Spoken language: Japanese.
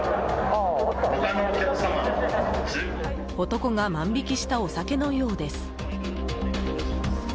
男が万引きしたお酒のようです。